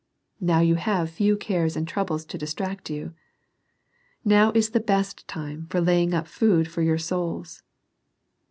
Now you have few cares and troubles to distract you. Now is the best time for laying up food for your souls.